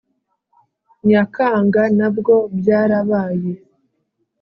nyakanga nabwo byarabaye